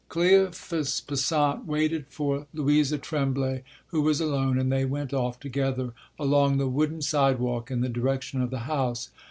Cleophas Pesant waited for Louisa Tremblay who was alone, and they went off together along the wooden sidewalk in the direction of the house.